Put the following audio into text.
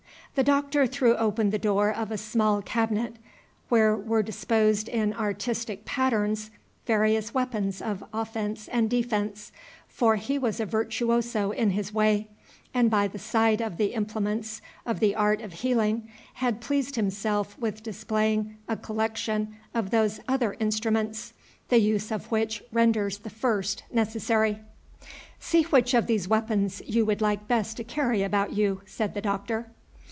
The Doctor threw open the door of a small cabinet, where were disposed in artistic patterns various weapons of offence and defence, for he was a virtuoso in his way, and by the side of the implements of the art of healing had pleased himself with displaying a collection of those other instruments, the use of which renders the first necessary. "See which of these weapons you would like best to carry about you," said the Doctor.